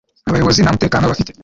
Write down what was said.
abayobozi nta mutekano bafite